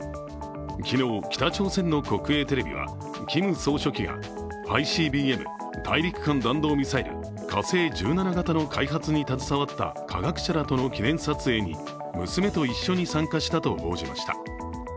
昨日、北朝鮮の国営テレビはキム総書記やＩＣＢＭ＝大陸間弾道ミサイル火星１７型の開発に携わった科学者らとの記念撮影に娘と一緒に参加したと報じました。